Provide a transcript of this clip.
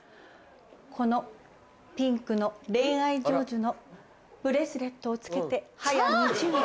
このピンクの恋愛成就のブレスレットを着けてはや２０年。